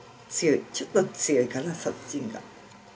ちょっと強いかなそっちが。